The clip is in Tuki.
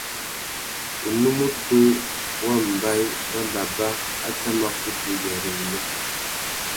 Unúmútú wa mbaye râ baba a tà mà kutu uyêrê wunya.